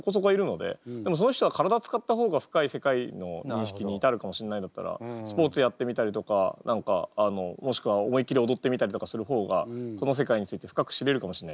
でもその人は体使った方が深い世界の認識に至るかもしれないんだったらスポーツやってみたりとかもしくは思いっきり踊ってみたりとかする方がこの世界について深く知れるかもしれないじゃない？